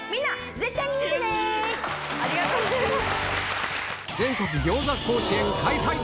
ありがとうございます！